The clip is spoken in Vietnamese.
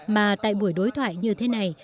mà tại buổi đối thoại như thế này